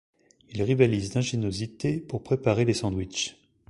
Ils rivalisent d'ingéniosité pour préparer les sandwichs.